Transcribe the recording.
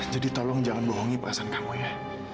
jadi tolong jangan bohongi perasaan kamu ya